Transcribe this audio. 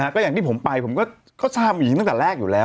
ก็อย่างที่ผมไปผมก็ทราบมาอีกตั้งแต่แรกอยู่แล้ว